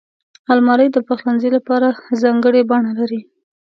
الماري د پخلنځي لپاره ځانګړې بڼه لري